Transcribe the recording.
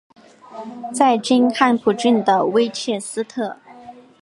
在今汉普郡的温切斯特。